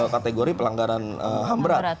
kategori pelanggaran ham berat